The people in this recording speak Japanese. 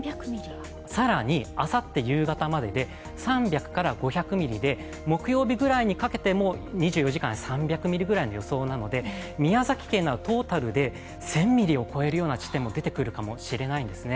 更にあさって夕方までで３００から５００ミリで木曜日ぐらいにかけても２４時間で３００ミリぐらいの予想なので宮崎県などトータルで１０００ミリを超えるような地点も出てくるかもしれないんですね。